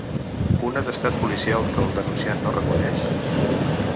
Un atestat policial que el denunciant no reconeix?